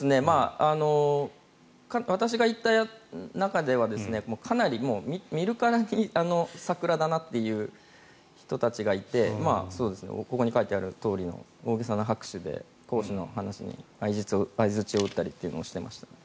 私が行った中ではかなり、見るからにサクラだなという人たちがいてここに書いてあるとおりの大げさな拍手で講師の話に相づちを打ったりというのをしていました。